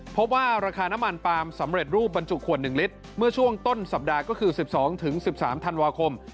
พบว่าราคาน้ำมันปาล์มสำเร็จรูปบรรจุขวด๑ลิตรเมื่อช่วงต้นสัปดาห์ก็คือ๑๒๑๓ธันวาคม